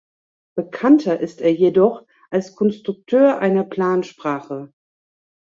Bekannter ist er jedoch als Konstrukteur einer Plansprache.